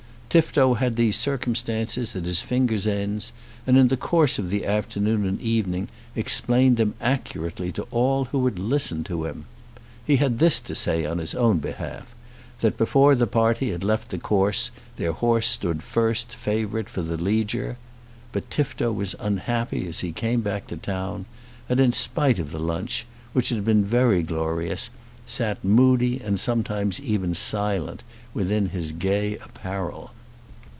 Tifto had these circumstances at his fingers' ends, and in the course of the afternoon and evening explained them accurately to all who would listen to him. He had this to say on his own behalf, that before the party had left the course their horse stood first favourite for the Leger. But Tifto was unhappy as he came back to town, and in spite of the lunch, which had been very glorious, sat moody and sometimes even silent within his gay apparel.